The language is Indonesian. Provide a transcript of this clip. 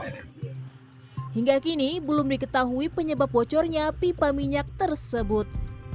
sebenarnya belum diketahui penyebab bocornya pipa minyak tersebut